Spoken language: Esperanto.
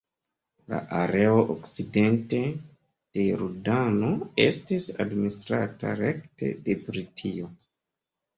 La areo okcidente de Jordano estis administrata rekte de Britio.